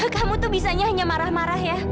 kamu tuh bisanya hanya marah marah ya